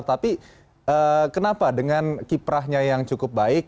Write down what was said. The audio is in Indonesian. tapi kenapa dengan kiprahnya yang cukup baik